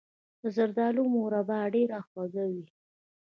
د زردالو مربا ډیره خوږه وي.